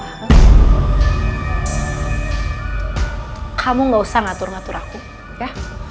kamu gak usah ngatur ngatur aku ya